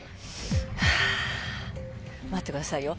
はぁ待ってくださいよ。